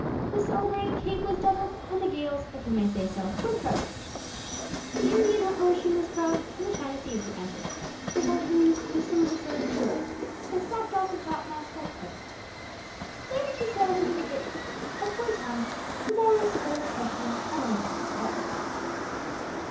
The celebrated Cape was doubled, and the gales, if we may say so, were trebled. The Indian Ocean was crossed, and the China Seas were entered, where typhoons blew some of the sails to ribbons, and snapped off the topmasts like pipe stems. Then she sailed into the great Pacific, and for a time the Walrus sported pleasantly among the coral islands.